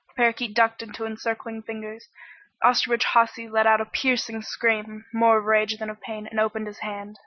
The parakeet ducked into encircling fingers, Osterbridge Hawsey let out a piercing scream, more of rage than of pain, and opened his hand.